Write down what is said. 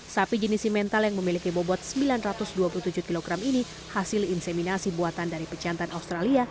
sapi jenis simental yang memiliki bobot sembilan ratus dua puluh tujuh kg ini hasil inseminasi buatan dari pecantan australia